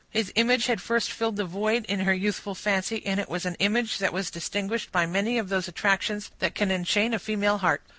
His image had first filled the void in her youthful fancy, and it was an image that was distinguished by many of those attractions that can enchain a female heart.